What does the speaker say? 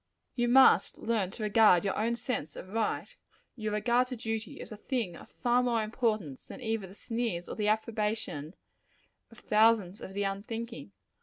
You must learn to regard your own sense of right your regard to duty as a thing of far more importance than either the sneers or the approbation of thousands of the unthinking.